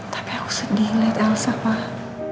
tapi aku sedih liat elsa pak